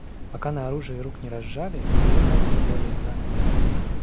Пока на оружии рук не разжали, повелевается воля иная.